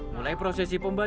mulai prosesi pembacaan